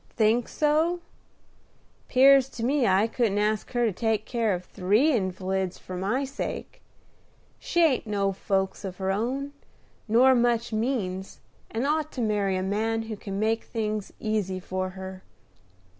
"Think so? 'Pears to me I couldn't ask her to take care of three invalids for my sake. She ain't no folks of her own, nor much means, and ought to marry a man who can make things easy for her.